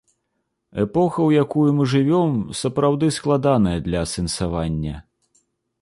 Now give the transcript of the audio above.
Эпоха, у якую мы жывём, сапраўды складаная для асэнсавання.